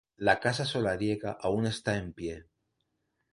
La casa solariega aún está en pie.